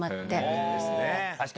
そうですか？